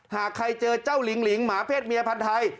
หากใครเจอเจ้าลิงหลิงหมาเพศเมียพันธ์ไทย